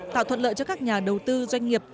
tạo thuận lợi cho các nhà đầu tư doanh nghiệp